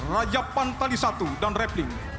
rayapan tali satu dan rafting